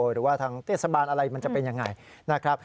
หรือว่าทางเทศบาลอะไรมันจะเป็นยังไงนะครับ